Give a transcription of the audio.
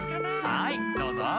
はいどうぞ。